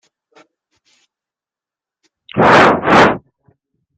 Ils s'installent ensemble à Kuching, où il enseigne désormais à la Universiti Malaysia Sarawak.